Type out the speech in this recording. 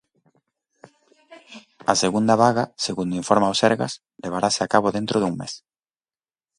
A segunda vaga, segundo informa o Sergas, levarase a cabo dentro dun mes.